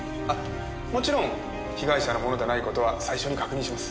もちろん被害者のものでない事は最初に確認します。